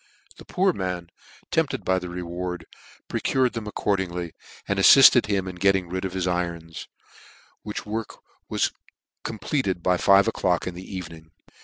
The poor man, tempted by the reward, procured them accordingly, and afiifted him in getting rid of his irons, which work was compleated by five o'clock in the evening.